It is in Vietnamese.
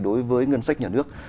đối với ngân sách nhà nước